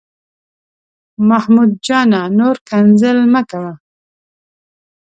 محمود جانه، نور کنځل مه کوه.